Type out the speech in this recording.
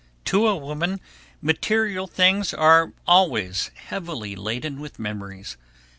To a woman, material things are always heavily laden with memories.